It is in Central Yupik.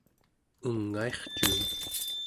ungaircuun